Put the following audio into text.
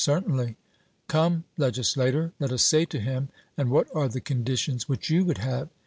'Certainly?' Come, legislator, let us say to him, and what are the conditions which you would have?